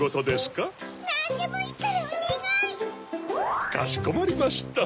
かしこまりました。